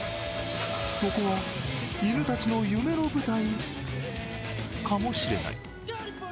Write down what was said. そこは犬たちの夢の舞台かもしれない。